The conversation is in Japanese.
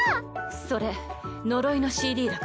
それ呪いのＣＤだから。